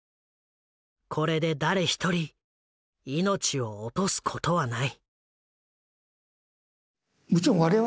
これで誰一人命を落とすことはない。